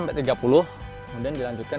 dua puluh tiga puluh kemudian dilanjutkan